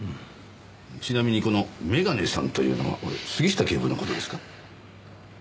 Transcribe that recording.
ちなみにこのメガネさんというのは杉下警部の事ですか？